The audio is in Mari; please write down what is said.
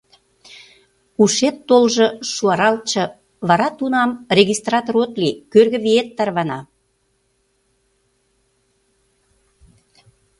Ушет толжо, шуаралтше, вара тунам регистратор от лий, кӧргӧ виет тарвана.